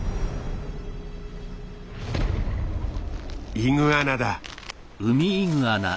イグアナだ。